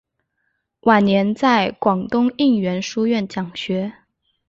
晚年在广东应元书院讲学。